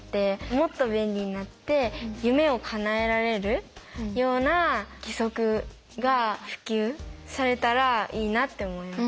もっと便利になって夢をかなえられるような義足が普及されたらいいなって思います。